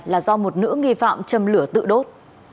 là do một nữ nghi phạm châm lửa tự đốt